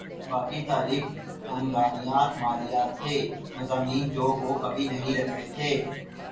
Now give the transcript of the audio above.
باقی تاریخ عمرانیات مالیات تھے مضامین جو وہ کبھی نہیں رکھتے تھے